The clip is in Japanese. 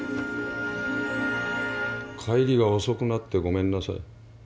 「帰りがおそくなってごめんなさい。